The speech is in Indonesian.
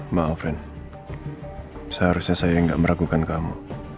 maaf ren seharusnya saya gak meragukan kamu